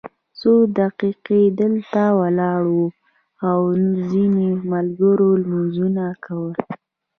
څو دقیقې دلته ولاړ وو او ځینو ملګرو لمونځونه کول.